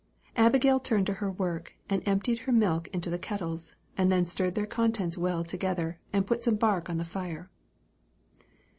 Abigail turned to her work, emptied her milk into the kettles, and then stirred their contents well together, and put some bark on the fire.